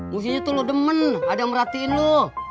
mustinya tuh lo demen ada yang merhatiin lo